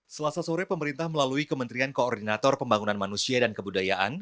selasa sore pemerintah melalui kementerian koordinator pembangunan manusia dan kebudayaan